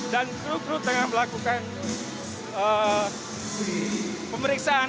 dan kru kru tengah melakukan pemeriksaan